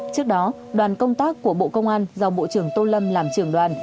trước đó đoàn công tác của bộ công an do bộ trưởng tô lâm làm trưởng đoàn